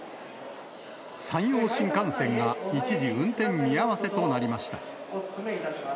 山陽新幹線が一時運転見合わせとなりました。